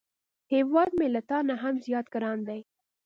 هیواد مې له تا نه هم زیات ګران دی